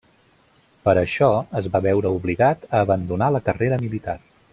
Per a això, es va veure obligat a abandonar la carrera militar.